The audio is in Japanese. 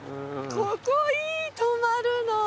ここいい泊まるの。